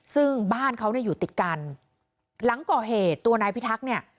ซึ่งบ้านเขาเนี่ยอยู่ติดกันหลังก่อเหตุตัวนายพิทักษ์เนี่ย